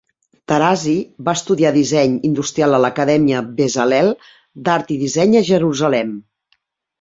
Tarazi va estudiar disseny industrial a l'Acadèmia Bezalel d'Art i Disseny a Jerusalem.